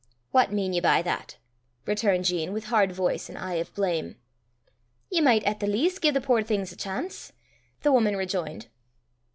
"What mean ye by that?" returned Jean, with hard voice, and eye of blame. "Ye micht at the leest gie the puir things a chance," the woman rejoined.